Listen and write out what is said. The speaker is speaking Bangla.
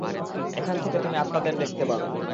এখান থেকে তুমি আত্মাদের দেখতে পাবে।